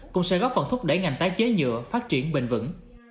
cũng sẽ góp phần thúc đẩy ngành tái chế nhựa phát triển bình vẩn